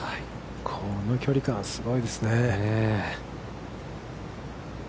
この距離感はすごいですね。